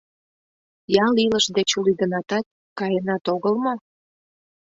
Ял илыш деч лӱдынатат, каенат огыл мо?